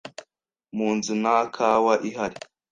Mu nzu nta kawa ihari.